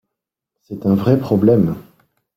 C’est un vrai problème.